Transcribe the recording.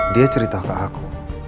dia cerita ke aku